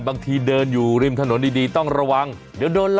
บางทีเดินอยู่ริมถนนดีต้องระวังเดี๋ยวโดนละ